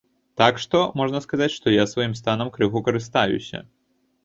Так што, можна сказаць, што я сваім станам крыху карыстаюся.